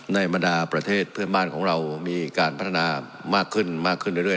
บรรดาประเทศเพื่อนบ้านของเรามีการพัฒนามากขึ้นมากขึ้นเรื่อย